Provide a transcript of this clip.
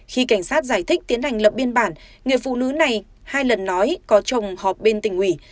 khi cảnh sát giải thích tiến hành lập biên bản người phụ nữ này hai lần nói có chồng họp bên tỉnh ủy